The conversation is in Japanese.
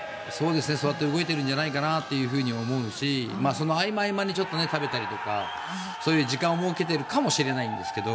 そうやって動いてるんじゃないかなと思うしその合間合間にちょっと食べたりとかそういう時間を設けてるかもしれないですが